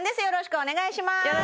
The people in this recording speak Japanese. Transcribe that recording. よろしくお願いします